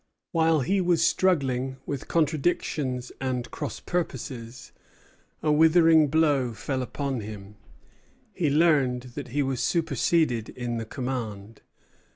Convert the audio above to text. While he was struggling with contradictions and cross purposes, a withering blow fell upon him; he learned that he was superseded in the command.